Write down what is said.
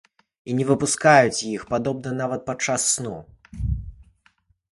І не выпускаюць іх, падобна, нават падчас сну.